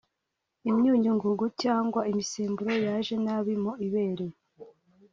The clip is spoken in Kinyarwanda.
imyunyu ngugu cyangwa imisemburo yaje nabi mu ibere